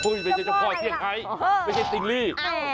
รอุ๊ยเป็นเด็นจะพ่อเพียงไข้เป็นเด็นจะติงลี่